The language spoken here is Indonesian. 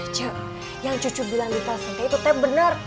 cek yang cucu bilang di prasenta itu teh bener